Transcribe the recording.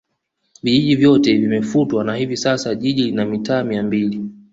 Vijiji vyote vimefutwa na hivi sasa Jiji lina mitaa Mia mbili